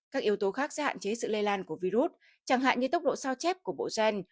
các yếu tố khác sẽ hạn chế sự lây lan của virus chẳng hạn như tốc độ sao chép của bộ gen